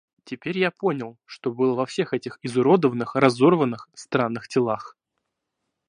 Теперь я понял, что было во всех этих изуродованных, разорванных, странных телах.